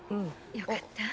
よかった。